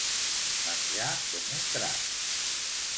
Menjar com un drac.